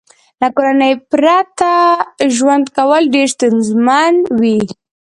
له کورنۍ پرته ژوند کول ډېر ستونزمن وي